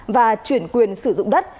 và chuyển quyền sử dụng đất